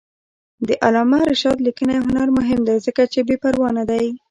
د علامه رشاد لیکنی هنر مهم دی ځکه چې بېپروا نه دی.